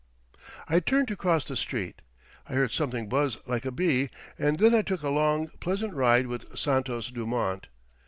I turned to cross the street. I heard something buzz like a bee, and then I took a long, pleasant ride with Santos Dumont.